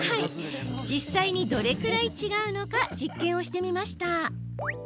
実際にどれくらい違うのか実験をしてみました。